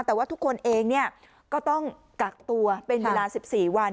แต่ว่าทุกคนเองก็ต้องกักตัวเป็นเวลา๑๔วัน